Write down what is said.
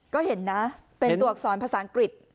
ก็เห็นนะเป็นตรวจสอนภาษาอังกฤษ